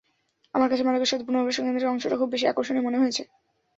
আমার কাছে মাদকাসক্ত পুনর্বাসন কেন্দ্রের অংশটা খুব বেশি আকর্ষণীয় মনে হয়েছে।